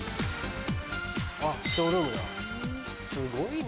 あっショールームだすごいね。